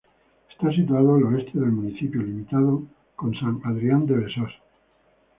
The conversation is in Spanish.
Está situado al oeste del municipio, limitando con San Adrián de Besós.